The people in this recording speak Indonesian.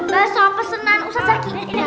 baso pesenan ustaz sarkis